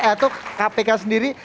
atau kpk sendiri